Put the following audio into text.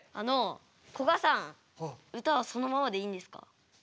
こがさん歌はそのままでいいんですか？